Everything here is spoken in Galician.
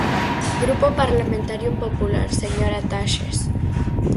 Grupo Parlamentario Popular, señora Taxes.